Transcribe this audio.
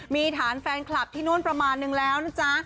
มีฐานแฟนคลับที่นู่นประมาณนึงแล้วนะจ๊ะ